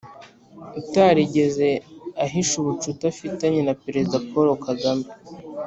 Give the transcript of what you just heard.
utarigeze ahisha ubucuti afitanye na Perezida Paul Kagame